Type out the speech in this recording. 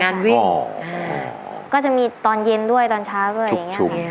งานวิ่งก็จะมีตอนเย็นด้วยตอนเช้าด้วยอย่างนี้